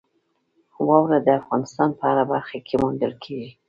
واوره د افغانستان په هره برخه کې موندل کېږي.